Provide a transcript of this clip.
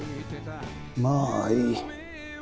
まあいい。